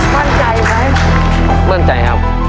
มั่นใจไหมมั่นใจครับ